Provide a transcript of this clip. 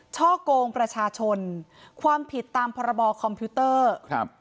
ช่อกงประชาชนความผิดตามพรบคอมพิวเตอร์ครับ